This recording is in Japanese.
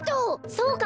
そうか！